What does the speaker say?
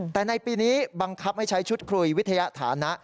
แต่ในปีนี้บังคับให้ใช้ชุดคุยวิทยาฐานะ